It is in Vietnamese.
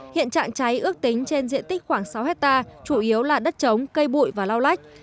hiện trạng cháy ước tính trên diện tích khoảng sáu hectare chủ yếu là đất trống cây bụi và lau lách